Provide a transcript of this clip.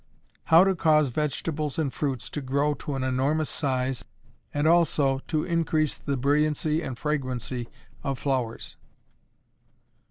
_How to Cause Vegetables and Fruits to Grow to an Enormous Size and also to Increase the Brilliancy and Fragrancy of Flowers.